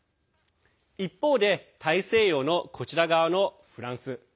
一方で、大西洋のこちら側のフランス。